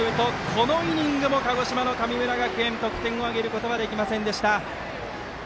このイニングも鹿児島の神村学園得点を挙げることはできませんでした。